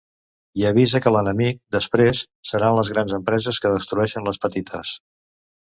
I avisa que l’enemic, després, seran les grans empreses que destrueixen les petites.